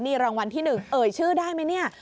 นี่รางวัลที่๑เอ่ยชื่อได้ไหมเนี่ย